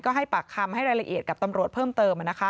ก็ให้ปากคำให้รายละเอียดกับตำรวจเพิ่มเติม